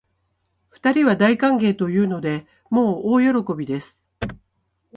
二人は大歓迎というので、もう大喜びです